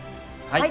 はい。